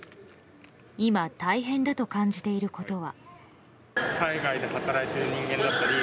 今、大変だと感じていることは。